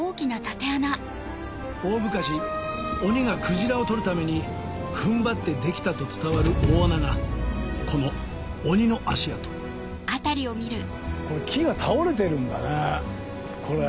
大昔鬼がクジラをとるために踏ん張ってできたと伝わる大穴がこの木が倒れてるんだねこれ。